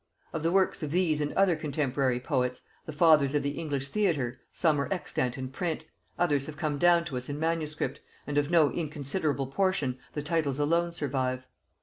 Of the works of these and other contemporary poets, the fathers of the English theatre, some are extant in print, others have come down to us in manuscript, and of no inconsiderable portion the titles alone survive.